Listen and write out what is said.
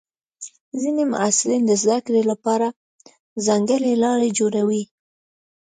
ځینې محصلین د زده کړې لپاره ځانګړې لارې جوړوي.